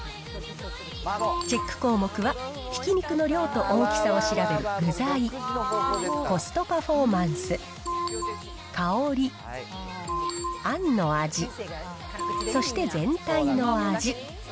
チェック項目は、ひき肉の量と大きさを調べる具材、コストパフォーマンス、香り、あんの味、そして全体の味。